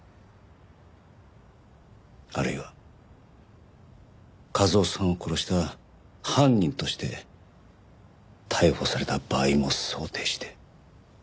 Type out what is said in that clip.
あるいは一雄さんを殺した犯人として逮捕された場合も想定して。